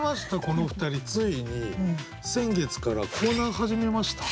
この２人ついに先月からコーナー始めました。